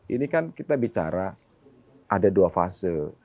ini kan kita bicara ada dua fase